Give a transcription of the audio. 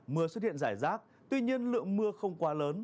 mưa xuất hiện rải rác tuy nhiên lượng mưa không quá lớn